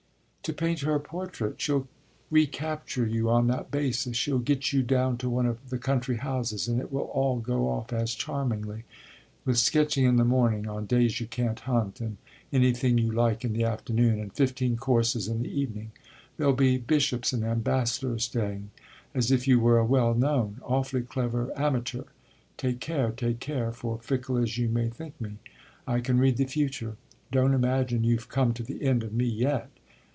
"To paint her portrait; she'll recapture you on that basis. She'll get you down to one of the country houses, and it will all go off as charmingly with sketching in the morning, on days you can't hunt, and anything you like in the afternoon, and fifteen courses in the evening; there'll be bishops and ambassadors staying as if you were a 'well known,' awfully clever amateur. Take care, take care, for, fickle as you may think me, I can read the future: don't imagine you've come to the end of me yet.